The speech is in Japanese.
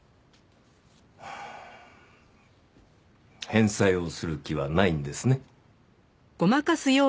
返済をする気はないんですね？